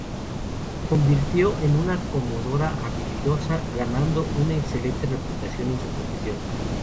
Se convirtió en una comadrona habilidosa, ganando una excelente reputación en su profesión.